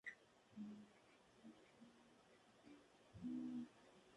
Quizá había un cuarto detenido, de apellido González, desvinculado de toda actividad política.